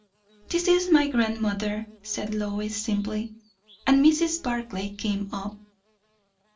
"This is my grandmother," said Lois simply; and Mrs. Barclay came up.